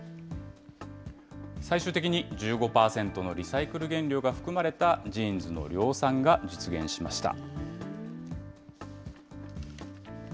最終的に１５％のリサイクル原料が含まれたジーンズの量産が実現しました。